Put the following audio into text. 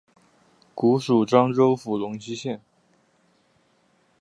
古属漳州府龙溪县。